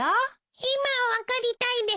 今分かりたいです。